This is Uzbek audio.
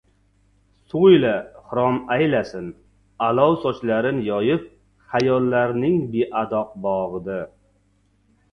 So‘yla, xirom aylasin, olov sochlarin yoyib xayollarning beadoq bog‘ida.